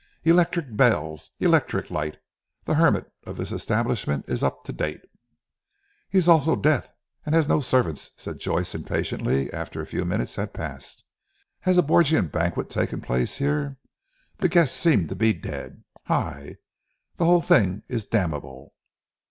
"Electric bells, electric light. The hermit of this establishment is up to date." "He is also deaf, and has no servants," said Joyce impatiently after a few minutes had passed. "Has a Borgian banquet taken place here? The guests seem to be dead. Hai! the whole thing is damnable."